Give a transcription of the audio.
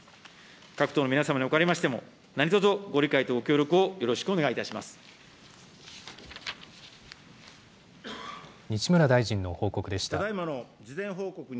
各党の皆様におかれましても、何とぞご理解とご協力をよろしくお西村大臣の報告でした。